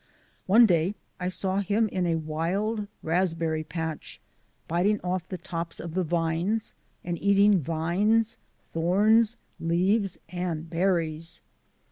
One day I saw him in a wild raspberry patch, biting off the tops of the vines, and eating vines, thorns, leaves, and berries.